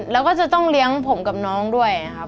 แล้วก็จะต้องเลี้ยงผมกับน้องด้วยครับ